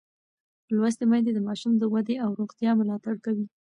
لوستې میندې د ماشوم د ودې او روغتیا ملاتړ کوي.